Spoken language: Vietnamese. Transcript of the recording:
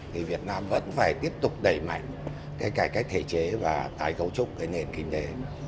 thì việt nam vẫn phải tiếp tục đẩy mạnh cải cách thể chế và tài cấu trúc nền kinh tế